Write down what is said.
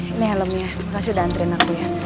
ini helmnya pasti udah antriin aku ya